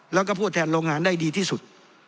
แล้วก็ผู้แทนโรงงานได้ดีที่สุด